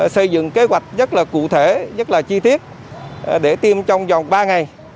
xây dựng kế hoạch rất là cụ thể rất là chi tiết để tiêm trong vòng ba ngày